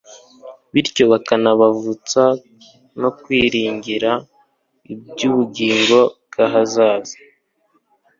bityo bakanabavutsa no kwiringira ibyubugingo bwahazaza